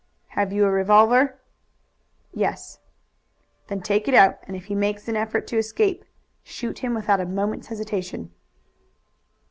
"Have you a revolver?" "Yes." "Then take it out, and if he makes an effort to escape shoot him without a moment's hesitation."